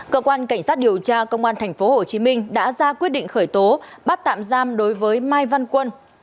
cơ quan cảnh sát điều tra công an tp hcm đã ra quyết định khởi tố bắt tạm giam đối với mai văn quân